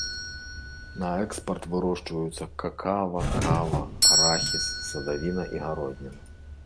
На экспарт вырошчваюцца какава, кава, арахіс, садавіна і гародніна.